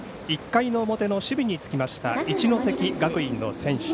１回の表の守備についた一関学院の選手。